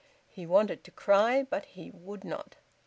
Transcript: He wanted to cry, but he would not.